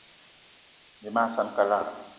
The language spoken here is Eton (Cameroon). Bí mag saan kalara.